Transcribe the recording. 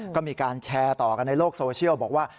ก็มีการแชร์ต่อกันในโลกโซเชียลบอกว่า